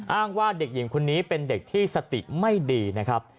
อ้างว่าเด็กหญิงคนนี้เป็นเด็กที่สติไม่ดีนะครับ